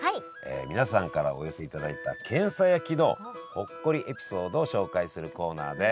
皆さんからお寄せいただいたけんさ焼きのほっこりエピソードを紹介するコーナーです！